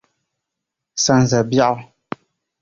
Sanza’ biɛɣu.